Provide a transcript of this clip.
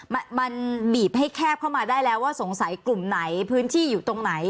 มันมันบีบให้แคบเข้ามาได้แล้วว่าสงสัยกลุ่มไหนพื้นที่อยู่ตรงไหน